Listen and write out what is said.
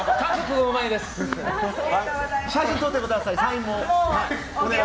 写真撮ってください